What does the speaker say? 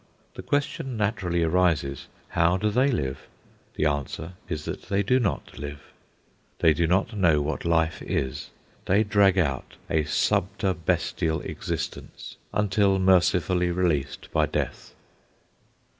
The question naturally arises, How do they live? The answer is that they do not live. They do not know what life is. They drag out a subterbestial existence until mercifully released by death.